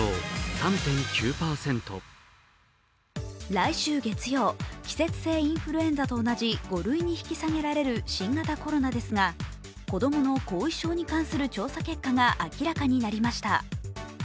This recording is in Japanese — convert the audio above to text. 来週月曜、季節性インフルエンザと同じ５類に引き下げられる新型コロナですが、子供の後遺症に関する調査結果が明らかになりました。